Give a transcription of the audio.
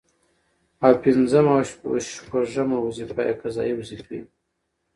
او پنځمه او شپومه وظيفه يې قضايي وظيفي دي